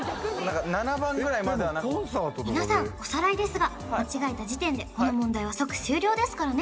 ７番ぐらいまでは皆さんおさらいですが間違えた時点でこの問題は即終了ですからね